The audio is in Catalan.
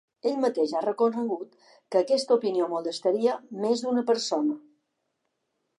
Ell mateix ha reconegut que aquesta opinió molestaria més d’una persona.